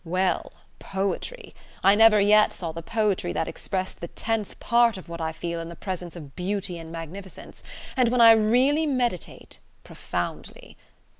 Well, poetry! I never yet saw the poetry that expressed the tenth part of what I feel in the presence of beauty and magnificence, and when I really meditate profoundly.